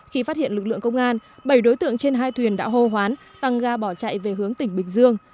khi phát hiện lực lượng công an bảy đối tượng trên hai thuyền đã hô hoán tăng ga bỏ chạy về hướng tỉnh bình dương